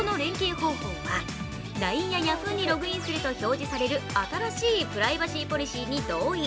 方法はＬＩＮＥやＹａｈｏｏ！にログインすると表示される新しいプライバシーポリシーに同意。